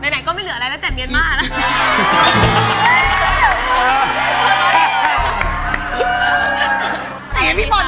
ไหนก็ไม่เหลืออะไรแล้วแต่เมียนมานะ